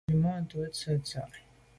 Nzwimàntô tsho’te ntsha.